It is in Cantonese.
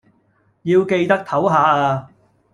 要記得抖下呀